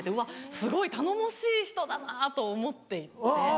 すごい頼もしい人だな！と思っていて。